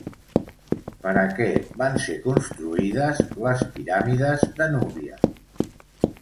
Per a què van ser construïdes les piràmides de Núbia?